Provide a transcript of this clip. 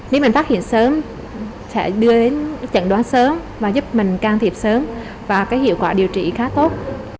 nếu mình phát hiện sớm sẽ đưa đến chẩn đoán sớm và giúp mình can thiệp sớm và cái hiệu quả điều trị khá tốt